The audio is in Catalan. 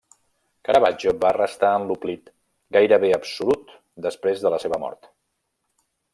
Caravaggio va restar en l'oblit gairebé absolut després de la seva mort.